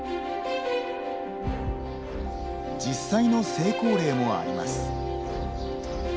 実際の成功例もあります。